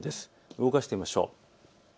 動かしてみましょう。